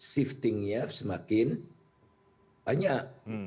shiftingnya semakin banyak